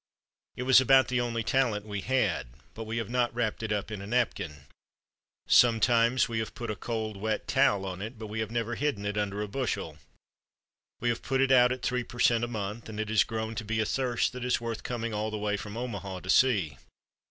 It was about the only talent we had, but we have not wrapped it up in a napkin. Sometimes we have put a cold, wet towel on it, but we have never hidden it under a bushel. We have put it out at three per cent a month, and it has grown to be a thirst that is worth coming all the way from Omaha to see.